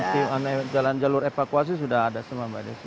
sudah ada jalan jalur evakuasi sudah ada semua mbak desy